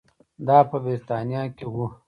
دا په برېټانیا کې وو.